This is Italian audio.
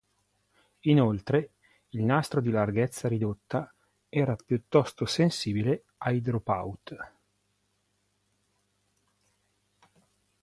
Inoltre, il nastro di larghezza ridotta era piuttosto sensibile ai drop out.